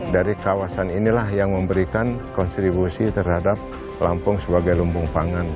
dari kawasan inilah yang memberikan kontribusi terhadap lampung sebagai lumbung pangan